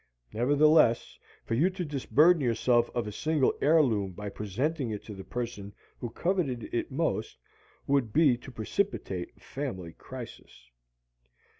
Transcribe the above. Nevertheless, for you to disburden yourself of a single heirloom by presenting it to the person who coveted it most, would be to precipitate a family crisis.